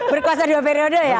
berkuasa dua periode ya